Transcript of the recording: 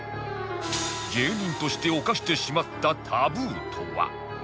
芸人として犯してしまったタブーとは？